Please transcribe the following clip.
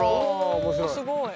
おすごい。